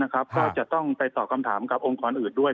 ก็จะต้องไปตอบคำถามกับองค์กรอื่นด้วย